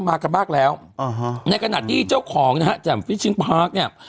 มากันมากแล้วอ่าฮะในขณะที่เจ้าของนะฮะแจ่มฟิชิงพาร์คเนี่ย